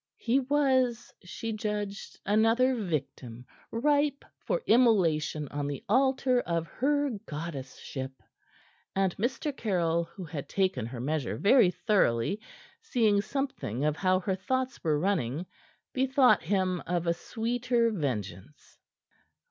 He was, she judged, another victim ripe for immolation on the altar of her goddessship. And Mr. Caryll, who had taken her measure very thoroughly, seeing something of how her thoughts were running, bethought him of a sweeter vengeance.